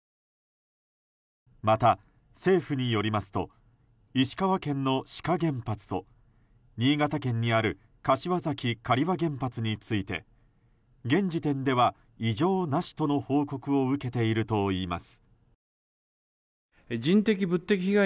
また政府によりますと石川県の志賀原発と新潟県にある柏崎刈羽原発について現時点では異常なしとの報告を受けているといいます。